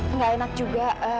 enggak enak juga